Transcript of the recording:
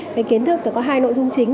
cái kiến thức có hai nội dung chính